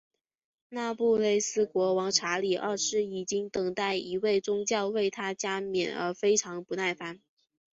那不勒斯国王查理二世已经等待一位教宗为他加冕而非常不耐烦。